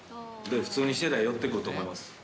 普通にしてたら寄ってくると思います。